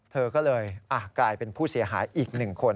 เธอก็เลยกลายเป็นผู้เสียหายอีก๑คน